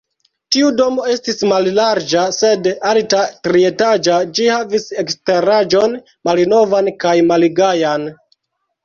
Tiu domo estis mallarĝa, sed alta, trietaĝa, ĝi havis eksteraĵon malnovan kaj malgajan.